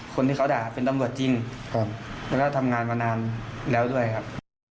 คนที่เขาด่าเป็นตำรวจจริงก่อนแล้วก็ทำงานมานานแล้วด้วยครับ